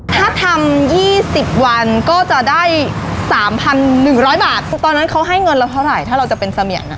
ถ้าทำยี่สิบวันก็จะได้สามพันหนึ่งร้อยบาทตอนนั้นเขาให้เงินเราเท่าไรถ้าเราจะเป็นเสมียันอ่ะ